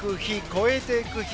超えていく日。